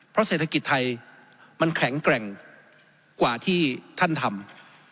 เพราะเศรษฐกิจไทยมันแข็งแกร่งกว่าที่ท่านทำ